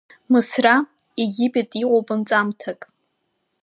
Мысра Египет иҟоуп нҵамҭак…